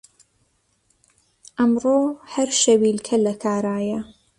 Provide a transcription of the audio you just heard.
ئەمڕۆ هەر شەویلکە لە کارایە